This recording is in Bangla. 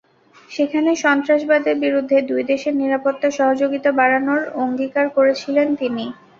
সেখানে সন্ত্রাসবাদের বিরুদ্ধে দুই দেশের নিরাপত্তা সহযোগিতা বাড়ানোর অঙ্গীকার করেছিলেন তিনি।